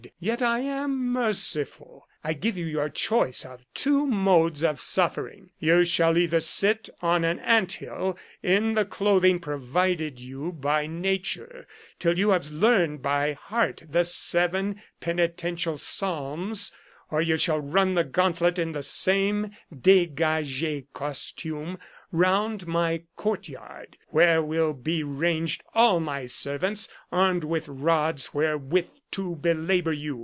Yet I am merciful. I give you your choice of two modes of suffering. You shall either sit on an ant hill, in the clothing provided you by nature, till you have learned by heart the seven penitential psalms ; or you shall run the gauntlet in the same digage costume round my courtyard, where will be ranged all my servants armed with rods wherewith to belabour you."